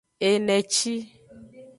Eneci.